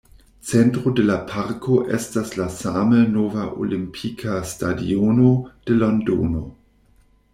Centro de la parko estas la same nova Olimpika Stadiono de Londono.